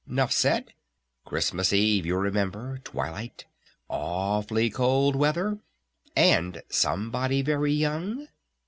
Nuff said? Christmas Eve, you remember? Twilight? Awfully cold weather? And somebody very young?